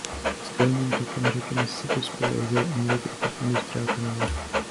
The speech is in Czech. S dolním tokem řeky Mississippi spojuje jezero umělý průplav Industrial Canal.